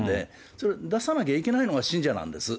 それ、出さなきゃいけないのが信者なんです。